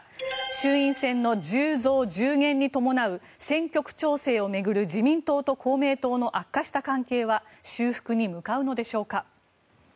衆院選の１０増１０減に伴う選挙区調整を巡る自民党と公明党の悪化した関係は修復に向かうのでしょうか。